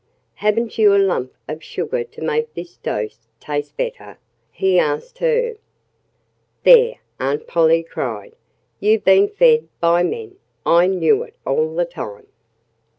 "Haven't you a lump of sugar to make this dose taste better?" he asked her. "There!" Aunt Polly cried. "You've been fed by men! I knew it all the time."